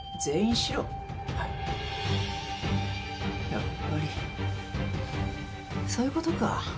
やっぱりそういうことか。